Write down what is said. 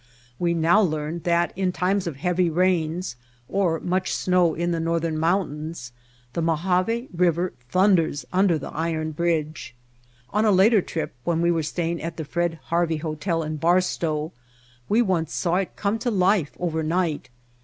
We now learned that in times of heavy rains or much snow in the northern mountains the Mojave River thunders under the iron bridge. On a later trip, when we were staying at the Fred Harvey Hotel in Barstow, we once saw it come to life over night.